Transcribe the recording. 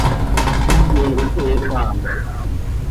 Imoz he xaaj.